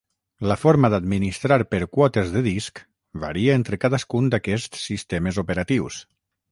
La forma d'administrar per quotes de disc varia entre cadascun d'aquests sistemes operatius.